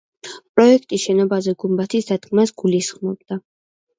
პროექტი შენობაზე გუმბათის დადგმას გულისხმობდა.